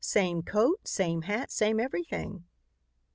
Same coat, same hat, same everything."